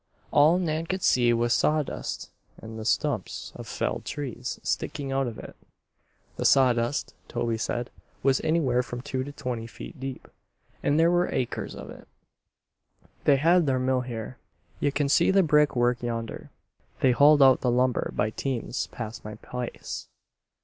All Nan could see was sawdust and the stumps of felled trees sticking out of it. The sawdust, Toby said, was anywhere from two to twenty feet deep, and there were acres of it. "They had their mill here, ye kin see the brick work yonder. They hauled out the lumber by teams past my place.